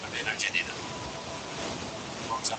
څنګه خاوند او ميرمن خوشحاله ژوند کولای سي؟